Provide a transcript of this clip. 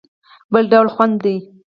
بل ډول خوند دی.